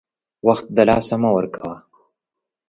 وخت دلاسه مه ورکوه !